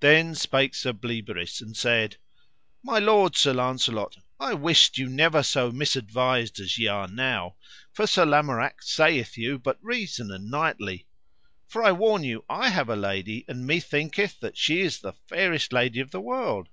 Then spake Sir Bleoberis and said: My lord Sir Launcelot, I wist you never so misadvised as ye are now, for Sir Lamorak sayeth you but reason and knightly; for I warn you I have a lady, and methinketh that she is the fairest lady of the world.